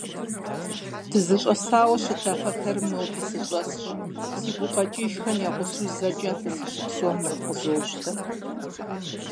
ДызыщӀэсауэ щыта фэтэрым ноби сыщӀэсщ, си гукъэкӀыжхэм я гъусэу зэкӀэ абы сыщыпсэум нэхъ къызощтэ.